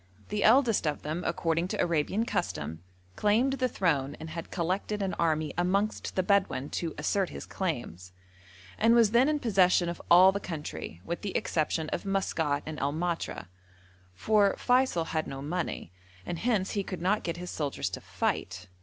The eldest of them, according to Arabian custom, claimed the throne and had collected an army amongst the Bedouin to assert his claims, and was then in possession of all the country, with the exception of Maskat and El Matra, for Feysul had no money, and hence he could not get his soldiers to fight.